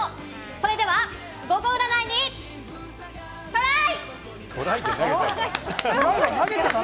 それでは、ゴゴ占いにトライ！